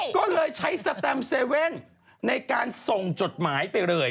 ก็เลยใช้สแตมเซเว่นในการส่งจดหมายไปเลย